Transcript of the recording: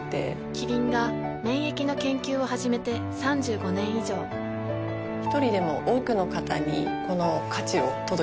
キリンが免疫の研究を始めて３５年以上一人でも多くの方にこの価値を届けていきたいと思っています。